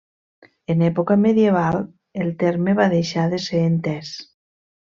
En època medieval, el terme va deixar de ser entès.